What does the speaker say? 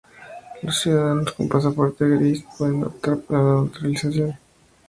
Los ciudadanos con pasaporte gris pueden optar a la naturalización.